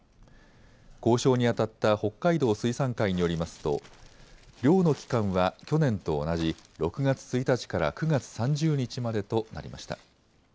交渉にあたった北海道水産会によりますと漁の期間は去年と同じ６月１日から９月３０日までとなりました。